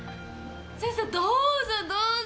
さあどうぞどうぞ。